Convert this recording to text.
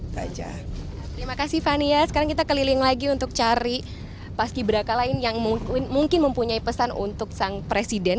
terima kasih fani ya sekarang kita keliling lagi untuk cari paski beraka lain yang mungkin mempunyai pesan untuk sang presiden